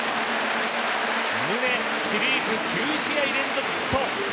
宗日本シリーズ９試合連続ヒット。